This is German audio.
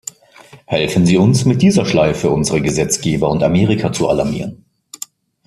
Helfen Sie uns, mit dieser Schleife unsere Gesetzgeber und Amerika zu alarmieren“".